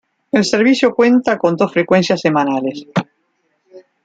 El servicio cuenta con dos frecuencias semanales.